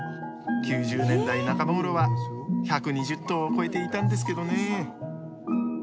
９０年代半ばごろは１２０頭を超えていたんですけどね。